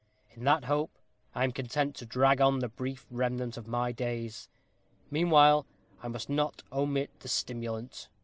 In that hope I am content to drag on the brief remnant of my days. Meanwhile, I must not omit the stimulant.